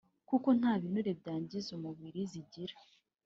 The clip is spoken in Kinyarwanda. kuko nta binure byangiza umubiri zigira